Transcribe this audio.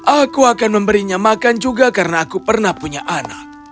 aku akan memberinya makan juga karena aku pernah punya anak